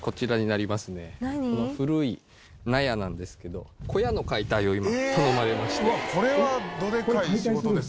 古い納屋なんですけど小屋の解体を今頼まれまして。